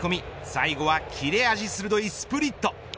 最後は切れ味鋭いスプリット。